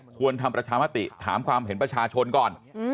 ควรทำประชามติถามความเห็นประชาชนก่อน